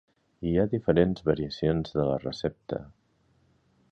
Hi ha diferents variacions de la recepta.